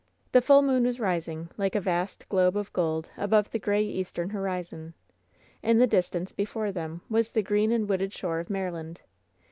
The full moon was ris ing like a vast globe of gold above the gray eastern horizon. In the distance before them was the green and wooded shore of Maryland.